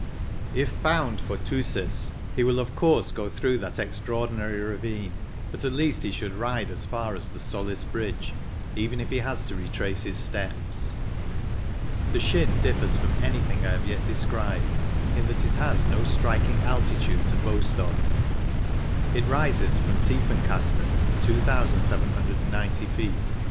If bound for Thusis, he will, of course, go through that extra ordinary ravine, but at least he should ride as far as the Solis Bridge even if he has to retrace his steps. The Schyn differs from anything I have yet described, in that it has no striking altitude to boast of; it rises from Tiefenkasten (2,790 ft.)